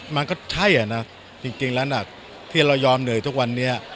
มันก็ใช่อ่ะนะจริงแล้วนะที่เรายอมเหนื่อยทุกวันนี้